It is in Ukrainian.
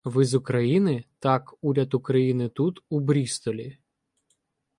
— Ви з України? Так, уряд України тут, у "Брістолі".